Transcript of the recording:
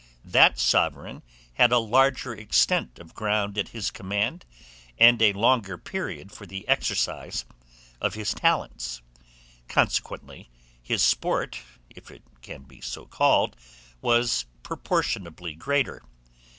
That sovereign had a larger extent of ground at his command, and a longer period for the exercise of his talents; consequently, his sport, if it can so be called, was proportionably greater.